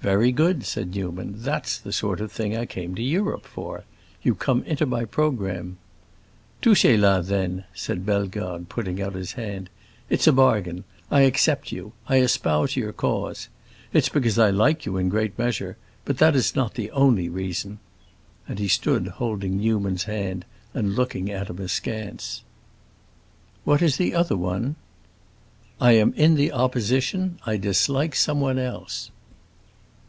"Very good," said Newman; "that's the sort of thing I came to Europe for. You come into my programme." "Touchez là, then," said Bellegarde, putting out his hand. "It's a bargain: I accept you; I espouse your cause. It's because I like you, in a great measure; but that is not the only reason!" And he stood holding Newman's hand and looking at him askance. "What is the other one?" "I am in the Opposition. I dislike someone else."